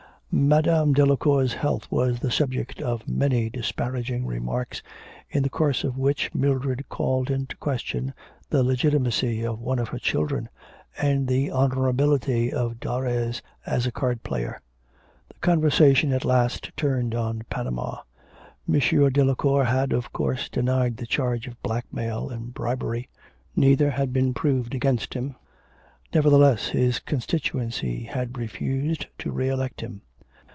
Madame Delacour's health was the subject of many disparaging remarks, in the course of which Mildred called into question the legitimacy of one of her children, and the honourability of Darres as a card player. The conversation at last turned on Panama. M. Delacour had, of course, denied the charge of blackmail and bribery. Neither had been proved against him. Nevertheless, his constituency had refused to re elect him.